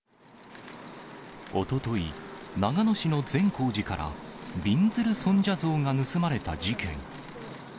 おととい、長野市の善光寺から、びんずる尊者像が盗まれた事件。